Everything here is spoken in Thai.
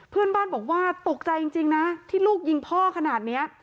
เพื่อนบ้านบอกว่าตกใจจริงนะที่ลูกยิงพ่อขนาดนี้